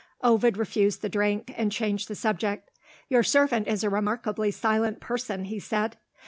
Ovid refused the drink, and changed the subject. "Your servant is a remarkably silent person," he said.